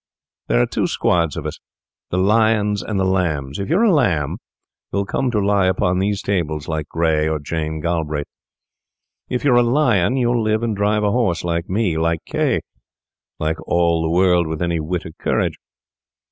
There are two squads of us—the lions and the lambs. If you're a lamb, you'll come to lie upon these tables like Gray or Jane Galbraith; if you're a lion, you'll live and drive a horse like me, like K—, like all the world with any wit or courage.